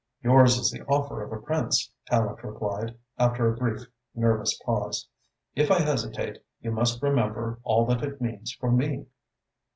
"Yours is the offer of a prince," Tallente replied, after a brief, nervous pause. "If I hesitate, you must remember all that it means for me."